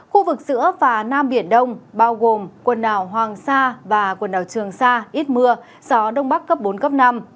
khu vực giữa và nam biển đông bao gồm quần đảo hoàng sa và quần đảo trường sa ít mưa gió đông bắc cấp bốn cấp năm